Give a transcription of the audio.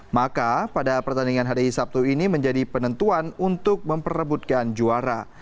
maka pada pertandingan hari sabtu ini menjadi penentuan untuk memperebutkan juara